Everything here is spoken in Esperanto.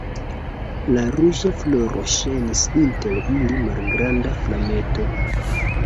La ruĝa floro ŝajnis inter ili malgranda flameto.